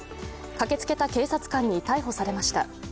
駆けつけた警察官に逮捕されました。